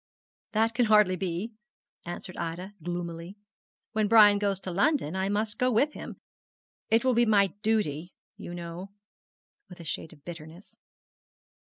'That can hardly be,' answered Ida, gloomily; 'when Brian goes to London, I must go with him. It will be my duty, you know,' with a shade of bitterness.